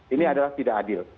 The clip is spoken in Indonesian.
ini adalah tidak adil